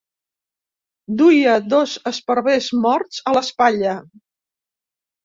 Duia dos esparvers morts a l'espatlla.